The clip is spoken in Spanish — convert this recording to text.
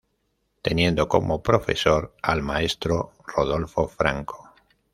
Teniendo como profesor al maestro Rodolfo Franco.